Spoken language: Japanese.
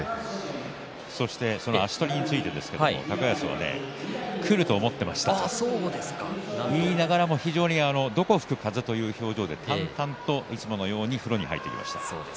足取りについて高安はくると思っていましたと言いながらも、どこ吹く風という表情で淡々といつものように風呂に入っていきました。